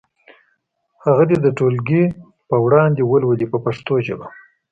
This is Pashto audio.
هغه دې د ټولګي په وړاندې ولولي په پښتو ژبه.